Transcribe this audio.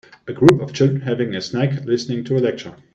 A group of children having a snack listening to a lecture.